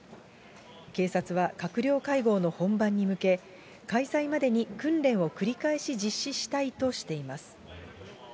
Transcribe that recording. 警察は閣僚会合の本番に向け、開催までに訓練を繰り返し実施したいとしています。